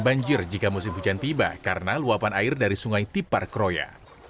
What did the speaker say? banjir jika musim hujan tiba karena luapan air dari sungai tipar kroya